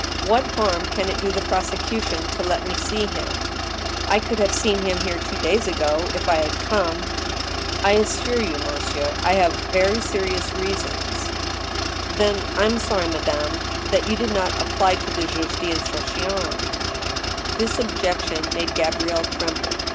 What harm can it do the prosecution to let me see him ?... I could have seen him here two days ago, if I had come. I assure you, monsieur, I have very serious reasons —" 176 THE STEEL HAMMER. " Then I am sorry, madame, that you did not apply to ^^jitge d' instruction" This objection made Gabrielle tremble.